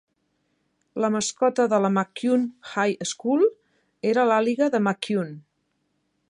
La mascota de la McCune High School era l'Àliga de McCune.